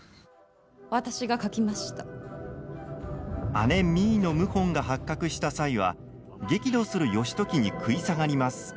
姉・実衣の謀反が発覚した際は激怒する義時に食い下がります。